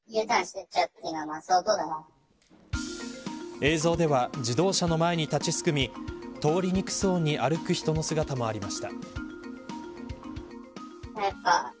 映像では自動車の前に立ちすくみ通りにくそうに歩く人の姿もありました。